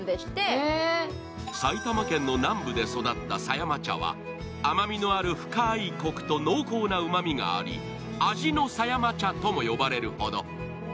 埼玉県の南部で育った狭山茶は甘みのある深いこくと濃厚なうまみがあり、味の狭山茶とも呼ばれるほど。